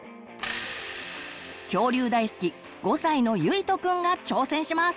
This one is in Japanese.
恐竜大好き５歳のゆいとくんが挑戦します！